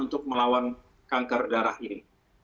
untuk melawan kanker darah ini